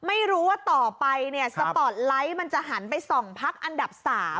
ไม่รู้ว่าต่อไปเนี่ยสปอร์ตไลท์มันจะหันไปส่องพักอันดับ๓